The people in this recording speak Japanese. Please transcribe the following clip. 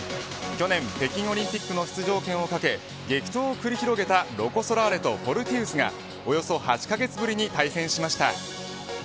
去年北京オリンピックの出場権を懸け激闘を繰り広げたロコ・ソラーレとフォルティウスがおよそ８カ月ぶりに対戦しました。